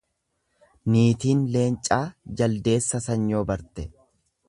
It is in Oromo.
Niitiin leencaa, jaldeessa sanyoo barte.